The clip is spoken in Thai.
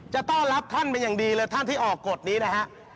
จะต้อนรับท่านเป็นอย่างดีเลยท่านที่ออกกฎนี้นะฮะ